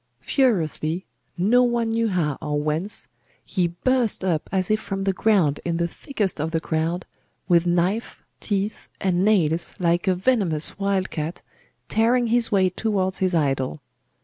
Furiously no one knew how or whence he burst up as if from the ground in the thickest of the crowd, with knife, teeth, and nails, like a venomous wild cat, tearing his way towards his idol.